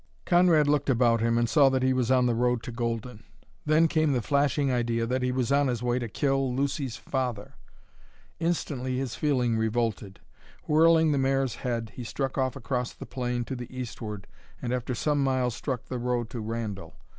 Conrad looked about him and saw that he was on the road to Golden. Then came the flashing idea that he was on his way to kill Lucy's father. Instantly his feeling revolted. Whirling the mare's head he struck off across the plain to the eastward and after some miles struck the road to Randall.